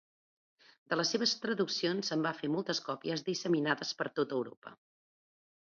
De les seves traduccions se’n van fer moltes còpies disseminades per tot Europa.